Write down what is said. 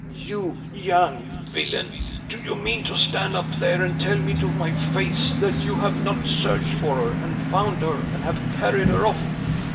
"You young villain! Do you mean to stand up there and tell me to my face that you have not searched for her, and found her, and have carried her off?"